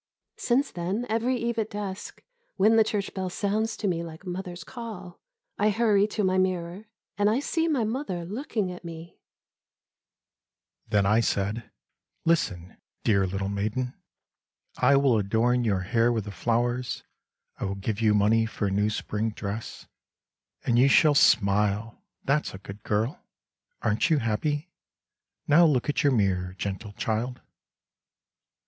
Since then, every eve at dusk, When the church bell sounds to me like mother's call, I hurry to my mirror, And I see my mother looking at me/ Then I said :' Listen, dear little maiden, I will adorn your hair with the flowers, I will give you money for a new Spring dress, And you shall smile, that's a good girl ! Aren't you happy ? Now look at your mirror, gentle child.'